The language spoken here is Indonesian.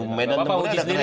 umeda tempatnya keren